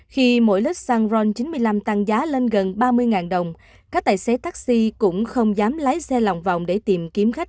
khi mỗi lít xăng ron chín mươi năm tăng giá lên gần ba mươi đồng các tài xế taxi cũng không dám lái xe lòng vòng để tìm kiếm khách